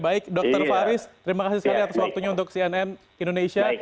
baik dokter faris terima kasih sekali atas waktunya untuk cnn indonesia